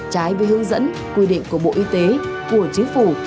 trái với hướng dẫn quy định của bộ y tế của chính phủ